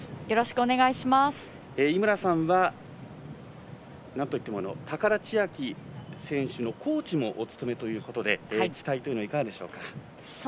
井村さんは、なんといっても高田千明選手のコーチもお務めということで期待はいかがでしょうか？